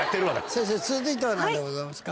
先生続いては何でございますか？